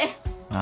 あ